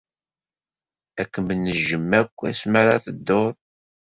Ad kem-nejjem akk asmi ara tedduḍ.